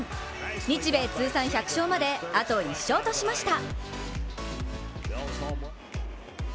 日米通算１００勝まであと１勝としました。